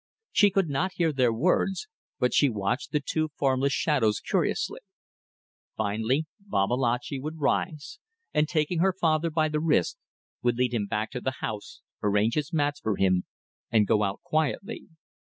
She could not hear their words, but she watched the two formless shadows curiously. Finally Babalatchi would rise and, taking her father by the wrist, would lead him back to the house, arrange his mats for him, and go out quietly.